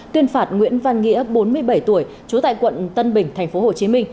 tuyên phạt nguyễn văn nghĩa bốn mươi bảy tuổi trú tại quận tân bình tp hcm